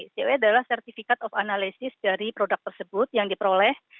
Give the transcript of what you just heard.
co adalah certifikat of analysis dari produk tersebut yang diperoleh